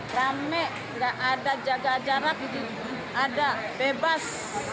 rame nggak ada jaga jarak ada bebas